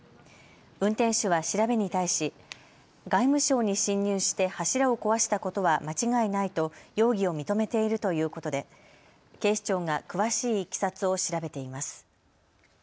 運転手は調べに対し外務省に侵入して柱を壊したことは間違いないと容疑を認めているということで警視庁が詳しいいきさつを調べています。